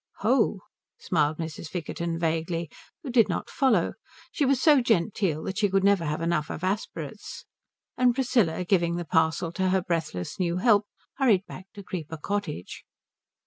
"Ho," smiled Mrs. Vickerton vaguely, who did not follow; she was so genteel that she could never have enough of aspirates. And Priscilla, giving the parcel to her breathless new help, hurried back to Creeper Cottage.